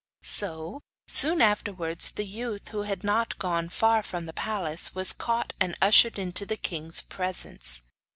So, soon afterwards, the youth, who had not gone far from the palace, was caught and ushered into the king's presence.